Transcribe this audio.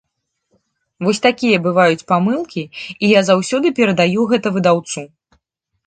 Вось такія бываюць памылкі, і я заўсёды перадаю гэта выдаўцу.